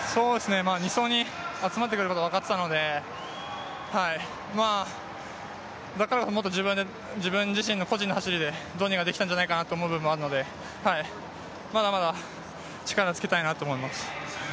２走に集まってくることは分かっていたので、だからこそ、自分自身、個人の走りでどうにかできたんじゃないかという部分もあるので、まだまだ力をつけてたいなと思います。